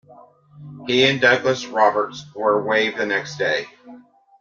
He and Douglas-Roberts were waived the next day.